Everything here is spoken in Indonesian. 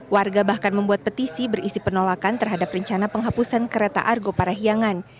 warga bahkan membuat petisi berisi penolakan terhadap rencana penghapusan kereta argo parahiangan